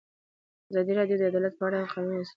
ازادي راډیو د عدالت په اړه د قانوني اصلاحاتو خبر ورکړی.